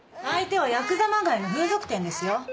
相手はヤクザまがいの風俗店ですよ。